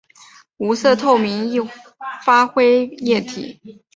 无色透明易挥发液体。